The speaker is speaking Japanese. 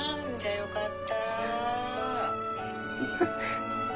よかった。